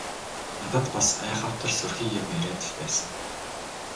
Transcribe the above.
Надад бас айхавтар сүрхий юм яриад л байсан.